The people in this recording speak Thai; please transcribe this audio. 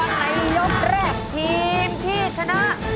ในยกแรกทีมที่ชนะ